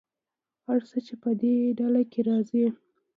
هر څه چې په دې ډله کې راځي.